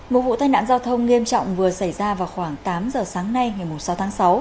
một vụ tai nạn giao thông nghiêm trọng vừa xảy ra vào khoảng tám giờ sáng nay ngày sáu tháng sáu